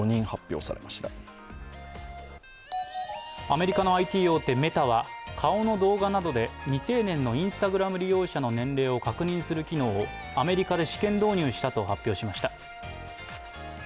アメリカのＩＴ大手メタは顔の動画などで未成年のＩｎｓｔａｇｒａｍ利用者の年齢を確認する機能をアメリカで試験導入したと発表しました。